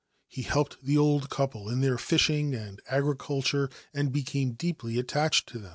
He helped the old couple their fishing and agriculture, and became deeply attached > them.